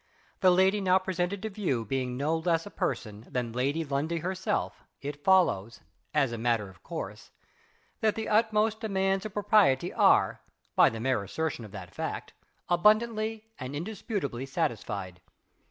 The lady now presented to view being no less a person than Lady Lundie herself, it follows, as a matter of course, that the utmost demands of propriety are, by the mere assertion of that fact, abundantly and indisputably satisfied.